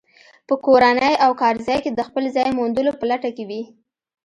په کورنۍ او کارځای کې د خپل ځای موندلو په لټه کې وي.